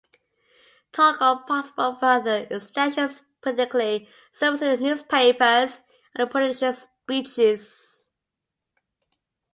Talk of possible further extensions periodically surfaces in newspapers and politicians' speeches.